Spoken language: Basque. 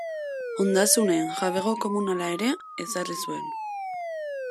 Ondasunen jabego komunala ere ezarri zuen.